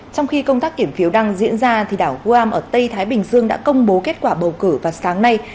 trong khi công tác kiểm phiếu đang diễn ra đảo wam ở tây thái bình dương đã công bố kết quả bầu cử vào sáng nay